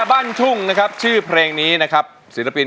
คุณยายแดงคะทำไมต้องซื้อลำโพงและเครื่องเสียง